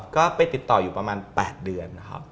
ก็ไปติดต่ออยู่ประมาณ๘เดือนนะครับ